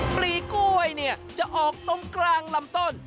ปลีกล้วยเนี่ยจะออกตรงกลางลำต้น